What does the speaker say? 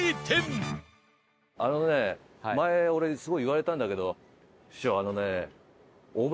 あのね前俺にすごい言われたんだけど「師匠あのね」。